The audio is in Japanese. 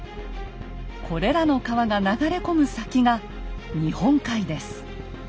これらの川が流れ込む先が日本海です。